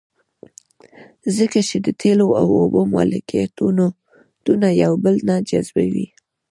ځکه چې د تیلو او اوبو مالیکولونه یو بل نه جذبوي